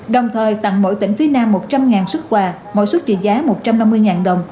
đồng thời tặng mỗi tỉnh phía nam một trăm linh xuất quà mỗi xuất trị giá một trăm năm mươi đồng